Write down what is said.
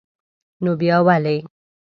نو با ولي?